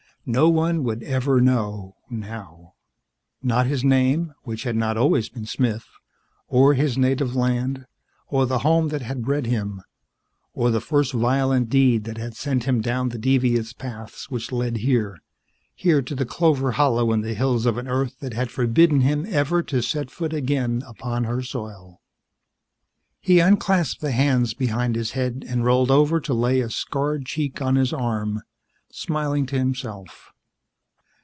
No one would ever know now. Not his name (which had not always been Smith) or his native land or the home that had bred him, or the first violent deed that had sent him down the devious paths which led here here to the clover hollow in the hills of an Earth that had forbidden him ever to set foot again upon her soil. He unclasped the hands behind his head and rolled over to lay a scarred cheek on his arm, smiling to himself.